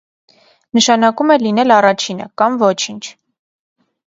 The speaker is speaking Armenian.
Նշանակում է լինել առաջինը, կամ ոչինչ։